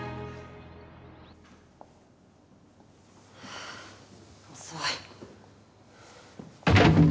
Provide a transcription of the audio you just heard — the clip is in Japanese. はあ遅い。